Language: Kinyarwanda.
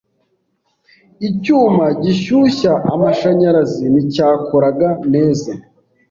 Icyuma gishyushya amashanyarazi nticyakoraga neza.